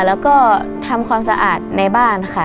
แล้วก็ทำความสะอาดในบ้านค่ะ